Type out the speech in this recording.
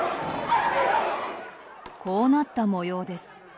こうなった模様です。